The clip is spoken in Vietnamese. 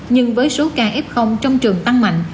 nhưng với số ca f trong trường tăng mạnh